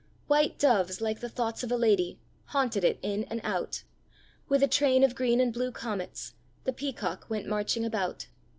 White doves, like the thoughts of a lady, Haunted it in and out; With a train of green and blue comets, The peacock went marching about.